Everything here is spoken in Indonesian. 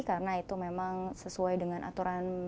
karena itu memang sesuai dengan aturan